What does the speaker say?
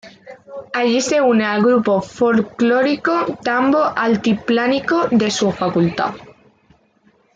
Allí se une al grupo folclórico Tambo Altiplánico, de su facultad.